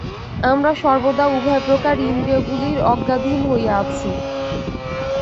আমরা সর্বদা উভয়প্রকার ইন্দ্রিয়গুলির আজ্ঞাধীন হইয়া আছি।